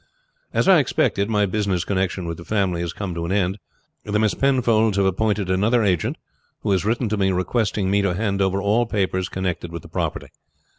As I expected, my business connection with the family has come to an end. The Miss Penfolds have appointed another agent, who has written to me requesting me to hand over all papers connected with the property.